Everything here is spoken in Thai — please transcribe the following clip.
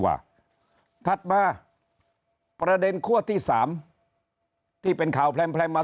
ว่าถัดมาประเด็นควชที่สามที่เป็นข่าวแพร่งแพร่งมา